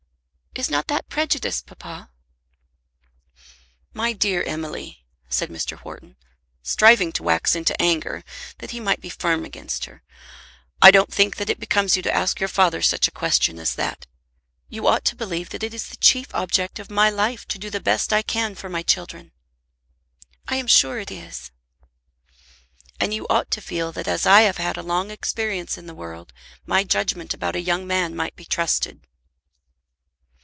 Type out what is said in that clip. "Is not that prejudice, papa?" "My dear Emily," said Mr. Wharton, striving to wax into anger that he might be firm against her, "I don't think that it becomes you to ask your father such a question as that. You ought to believe that it is the chief object of my life to do the best I can for my children." "I am sure it is." "And you ought to feel that, as I have had a long experience in the world, my judgment about a young man might be trusted."